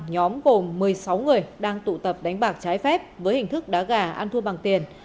nhóm gồm một mươi sáu người đang tụ tập đánh bạc trái phép với hình thức đá gà ăn thua bằng tiền